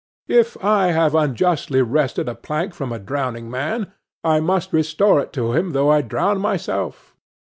If I have unjustly wrested a plank from a drowning man, I must restore it to him though I drown myself.